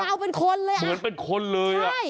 เหมือนเป็นคนเลย